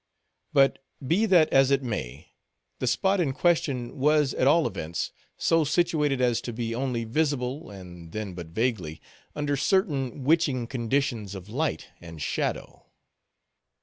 But, be that as it may, the spot in question was, at all events, so situated as to be only visible, and then but vaguely, under certain witching conditions of light and shadow.